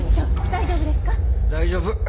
大丈夫。